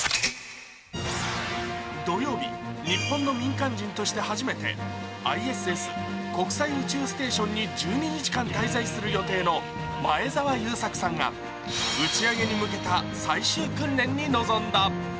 土曜日、日本の民間人として初めてＩＳＳ＝国際宇宙ステーションに１２日間滞在する予定の前澤友作さんが打ち上げに向けた最終訓練に臨んだ。